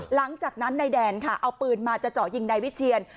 หลังจากนั้นนายแดนค่ะเอาปืนมาจะเจาะยิงนายวิเชียน